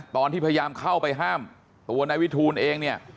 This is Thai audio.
ตอนที่พยายามเข้าไปห้ามตัวนายวิทูลเองเนี่ย